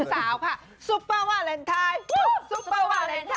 สุปเวอร์วาเลนไทยโบอสซาว